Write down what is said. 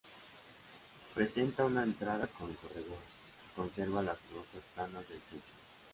Presenta una entrada con corredor, que conserva las losas planas del techo.